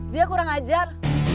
dia kurang ajar